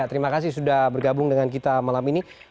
terima kasih sudah bergabung dengan kita malam ini